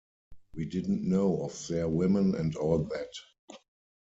We didn’t know of their women and all that!